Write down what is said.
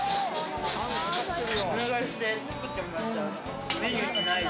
お願いして作ってもらった。